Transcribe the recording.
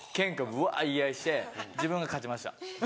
ぶわ言い合いして自分が勝ちました。